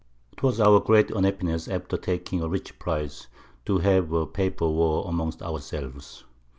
'Twas our great Unhappiness, after taking a rich Prize, to have a Paper War amongst our selves.